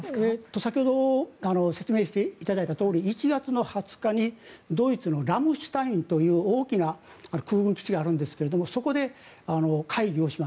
先ほど説明していただいたとおり１月の２０日にドイツのラムシュタインという大きな空軍基地があるんですがそこで会議をします。